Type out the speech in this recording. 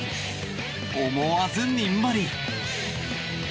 思わずにんまり。